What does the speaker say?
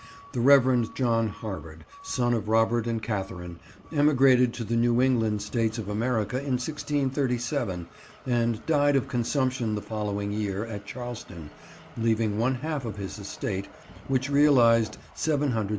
The Rev. John Harvard, son of Robert and Katharine, emigrated to the New England States of America in 1637 and died of consumption the following year, at Charleston, leaving one half of his estate, which realised £779 17_s.